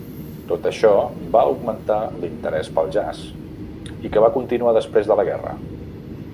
Tot això va augmentar l'interès pel jazz, i que va continuar després de la guerra.